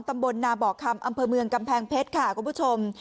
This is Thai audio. ตำบลนาบอกคำอำเภอเมืองกำแพงเพชรค่ะคุณผู้ชม